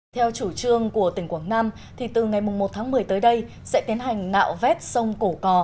theo chủ trương của tỉnh quảng nam từ ngày một tháng một mươi tới đây sẽ tiến hành nạo vét sông cổ cò